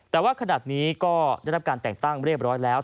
แต่ว่าขนาดนี้ก็ได้รับการแต่งตั้งเรียบร้อยแล้ว